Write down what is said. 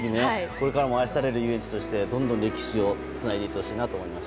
これからも愛される遊園地としてどんどん歴史をつないでいってほしいと思います。